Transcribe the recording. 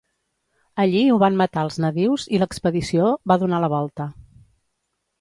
Allí ho van matar els nadius i l'expedició va donar la volta.